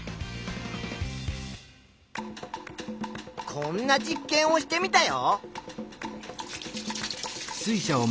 こんな実験をしてみたよ。